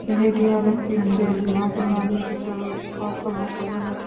এটিই আলোকচিত্রের মাধ্যমে আবিষ্কৃত প্রথম উপগ্রহ।